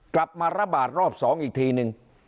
กลับมาระบาดรอบ๒อีกทีนึง